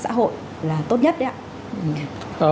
xã hội là tốt nhất đấy ạ